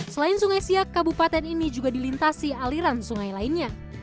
selain sungai siak kabupaten ini juga dilintasi aliran sungai lainnya